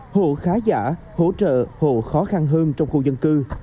hộ khá giả hỗ trợ hộ khó khăn hơn trong khu dân cư